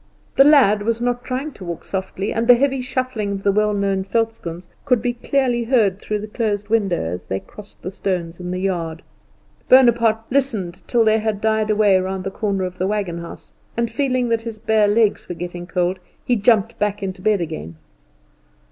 The lad was not trying to walk softly, and the heavy shuffling of the well known velschoens could be clearly heard through the closed window as they crossed the stones in the yard. Bonaparte listened till they had died away round the corner of the wagon house; and, feeling that his bare legs were getting cold, he jumped back into bed again.